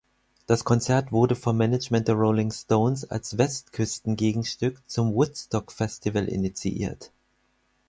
Das Konzert wurde vom Management der Rolling Stones als Westküsten-Gegenstück zum Woodstock-Festival initiiert.